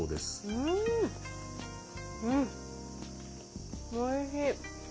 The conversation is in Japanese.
うんうんおいしい。